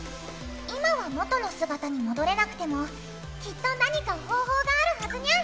今は元の姿に戻れなくてもきっと何か方法があるはずニャン。